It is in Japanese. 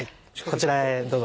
こちらへどうぞ。